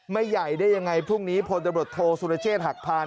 ใหญ่ได้ยังไงพรุ่งนี้พลตำรวจโทษสุรเชษฐหักพาน